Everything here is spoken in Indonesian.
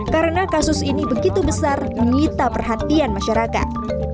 karena kasus ini begitu besar melita perhatian masyarakat